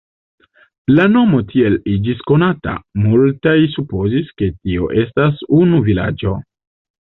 La nomo tiel iĝis konata, multaj supozis, ke tio estas unu vilaĝo.